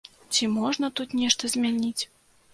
Ці можна тут нешта змяніць?